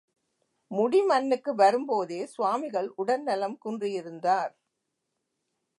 முடிமன்னுக்கு வரும்போதே சுவாமிகள் உடல்நலம் குன்றியிருந்தார்.